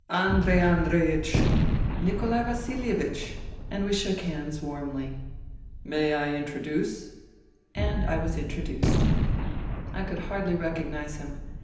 " Andrei Andreiech !"" Nikolai Vasilievich !" And we shook hands warmly. " May I introduce ?" And I was introduced. I could hardly recognize him.